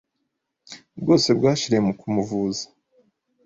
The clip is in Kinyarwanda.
bwose bwashiriye mu kumuvuza,